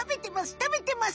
たべてます。